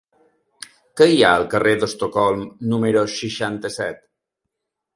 Què hi ha al carrer d'Estocolm número seixanta-set?